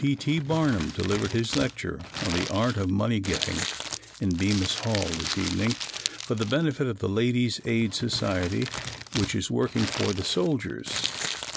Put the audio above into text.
P. T. Barnum delivered his lecture on "The Art of Money Getting" in Bemis Hall this evening for the benefit of the Ladies' Aid Society, which is working for the soldiers.